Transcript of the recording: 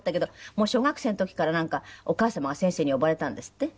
もう小学生の時からお母様が先生に呼ばれたんですって？